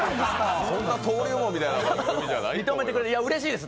そんな登竜門みたいな番組じゃないです。